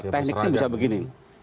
tekniknya bisa begini